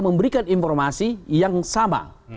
memberikan informasi yang sama